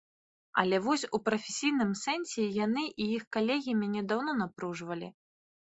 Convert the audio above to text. Але вось у прафесійным сэнсе яны і іх калегі мяне даўно напружвалі.